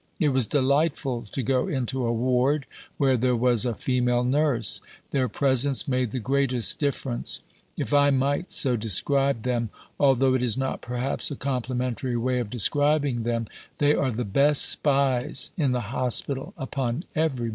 "It was delightful to go into a ward where there was a female nurse. Their presence made the greatest difference." "If I might so describe them, although it is not perhaps a complimentary way of describing them, they are the best spies in the hospital upon everybody."